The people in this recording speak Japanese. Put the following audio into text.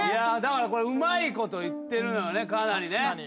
だからうまいこと言ってるのよねかなりね。